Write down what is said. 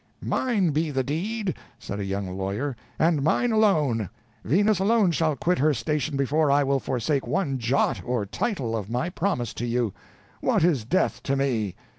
"Mine be the deed," said a young lawyer, "and mine alone; Venus alone shall quit her station before I will forsake one jot or tittle of my promise to you; what is death to me?